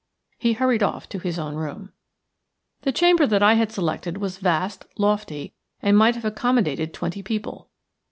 He hurried off to his own room. The chamber that I had selected was vast, lofty, and might have accommodated twenty people.